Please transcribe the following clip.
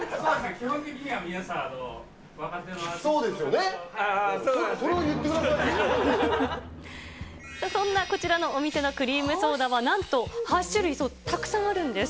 基本的には皆さん、そうですよね、そんなこちらのお店のクリームソーダは、なんと８種類、そう、たくさんあるんです。